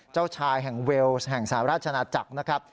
เจ้าชายแห่งเวลส์แห่งสหราชนาจักรนะครับ